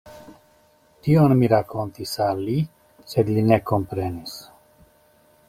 Tion mi rakontis al li, sed li ne komprenis.